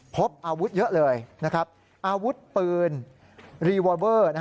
พบอาวุธเยอะเลยอาวุธปืนรีวอลเวอร์